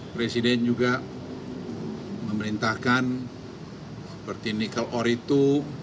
presiden juga memerintahkan seperti nikel ore itu